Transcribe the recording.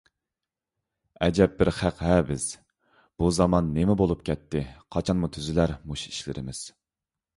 ئەجەب بىر خەق-ھە بىز! بۇ زامان نېمە بولۇپ كەتتى؟ قاچانمۇ تۈزىلەر مۇشۇ ئىشلىرىمىز؟!